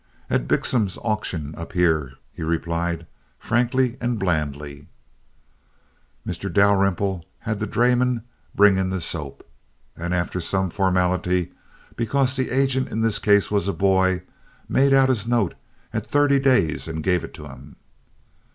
"At Bixom's auction up here," he replied, frankly and blandly. Mr. Dalrymple had the drayman bring in the soap; and after some formality—because the agent in this case was a boy—made out his note at thirty days and gave it to him.